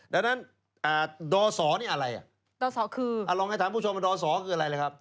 ดังนั้นดศนี่อะไรอ่ะดอสอคือลองให้ถามผู้ชมว่าดอสอคืออะไรเลยครับ